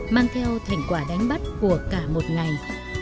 mang theo thành quả đánh bắt của cả một ngày